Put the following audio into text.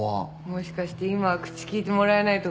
もしかして今は口利いてもらえないとか？